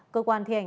cơ quan thì hành án